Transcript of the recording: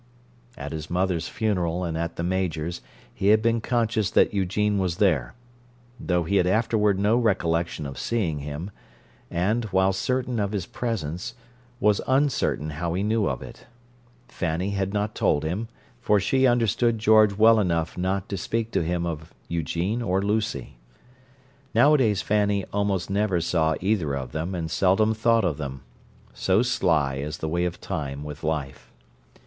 At his mother's funeral and at the Major's he had been conscious that Eugene was there: though he had afterward no recollection of seeing him, and, while certain of his presence, was uncertain how he knew of it. Fanny had not told him, for she understood George well enough not to speak to him of Eugene or Lucy. Nowadays Fanny almost never saw either of them and seldom thought of them—so sly is the way of time with life.